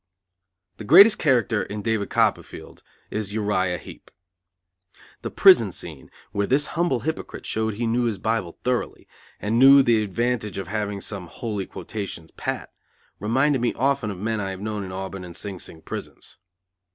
The greatest character in David Copperfield is Uriah Heep. The prison scene where this humble hypocrite showed he knew his Bible thoroughly, and knew the advantage of having some holy quotations pat, reminded me often of men I have known in Auburn and Sing Sing prisons.